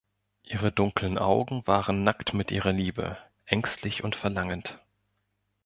Ihre dunklen Augen waren nackt mit ihrer Liebe, ängstlich und verlangend.